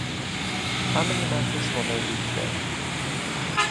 How many matches will there be today?